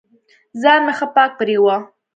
ځان مې ښه پاک پرېوه.